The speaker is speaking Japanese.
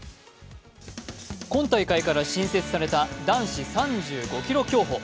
今大会から新設された男子３５ｋｍ競歩。